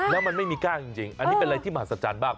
แล้วมันไม่มีกล้างจริงอันนี้เป็นอะไรที่มหัศจรรย์มาก